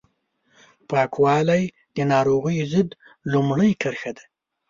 پاکوالی د ناروغیو ضد لومړۍ کرښه ده